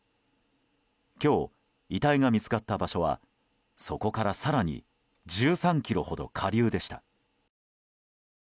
今日、遺体が見つかった場所はそこから更に１３ｋｍほど下流でした。